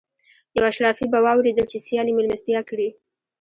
یو اشرافي به واورېدل چې سیال یې مېلمستیا کړې.